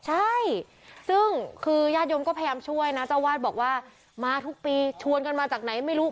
ใช่ซึ่งคือญาติโยมก็พยายามช่วยนะเจ้าวาดบอกว่ามาทุกปีชวนกันมาจากไหนไม่รู้